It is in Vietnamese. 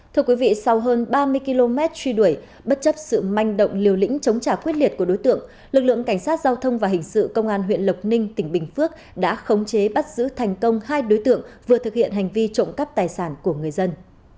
thưa quý vị sau hơn ba mươi km truy đuổi bất chấp sự manh động liều lĩnh chống trả quyết liệt của đối tượng lực lượng cảnh sát giao thông và hình sự công an huyện lộc ninh tỉnh bình phước đã khống chế bắt giữ thành công hai đối tượng vừa thực hiện hành vi trộm cắp tài sản của người dân